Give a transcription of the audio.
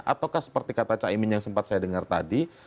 ataukah seperti kata caimin yang sempat saya dengar tadi